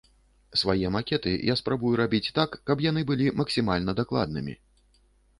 Свае макеты я спрабую рабіць так, каб яны былі максімальна дакладнымі.